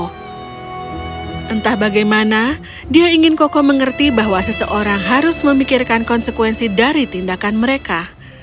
entah bagaimana dia ingin koko mengerti bahwa seseorang harus memikirkan konsekuensi dari tindakan mereka